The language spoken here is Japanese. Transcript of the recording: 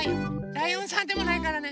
ライオンさんでもないからね。